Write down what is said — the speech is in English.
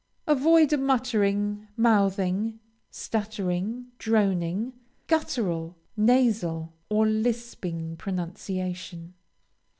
Avoid a muttering, mouthing, stuttering, droning, guttural, nasal, or lisping, pronunciation.